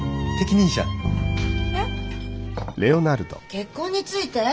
結婚について？